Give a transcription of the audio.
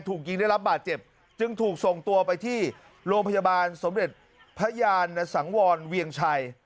ถูกยิงได้รับบาดเจ็บจึงถูกส่งตัวไปที่โรงพยาบาลสมเด็จพระยานสังวรเวียงชัย